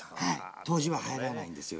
当時は入らないんですよ